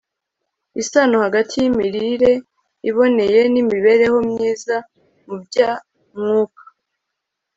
isano hagati y'imirire iboneye n'imibereho myiza mu bya mwuka